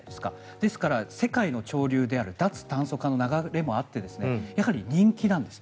ですから、世界の潮流である脱炭素化の流れもあってやはり人気なんですよ。